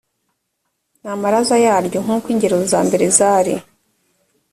n amabaraza yaryo nk uko ingero za mbere zari